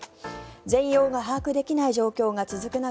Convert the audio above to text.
全容が把握できない状況が続く中